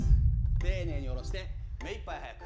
丁寧に下ろして、目いっぱい速く。